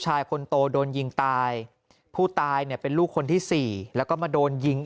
ชายคนโตโดนยิงตายผู้ตายเป็นลูกคนที่๔แล้วก็มาโดนยิง